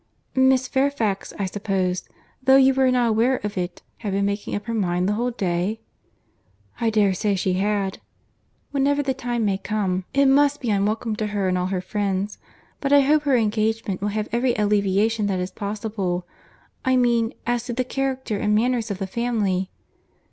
"Miss Fairfax, I suppose, though you were not aware of it, had been making up her mind the whole day?" "I dare say she had." "Whenever the time may come, it must be unwelcome to her and all her friends—but I hope her engagement will have every alleviation that is possible—I mean, as to the character and manners of the family."